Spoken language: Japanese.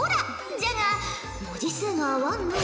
じゃが文字数が合わんのう。